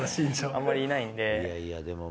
あまりいないんで。